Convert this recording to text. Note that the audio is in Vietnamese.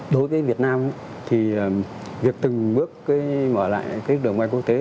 đối với việt nam thì việc từng bước mở lại các đường bay quốc tế